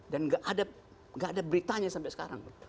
dan nggak ada beritanya sampai sekarang